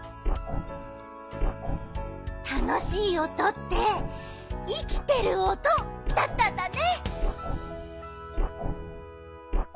たのしいおとっていきてるおとだったんだね。